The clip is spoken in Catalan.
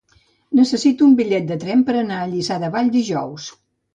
Necessito un bitllet de tren per anar a Lliçà de Vall dijous.